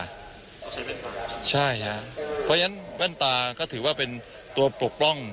เขาใช้แว่นตาใช่ฮะไว้อันแว่นตาก็ถือว่าเป็นตัวปรุกปล้อง